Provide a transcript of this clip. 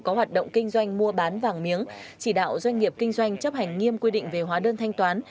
có hoạt động kinh doanh mua bán vàng miếng chỉ đạo doanh nghiệp kinh doanh chấp hành nghiêm quy định về hóa đơn thanh toán